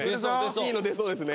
いいの出そうですね。